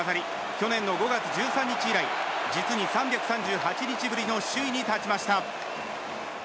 去年の５月１３日以来実に３３８日ぶりの首位に立ちました。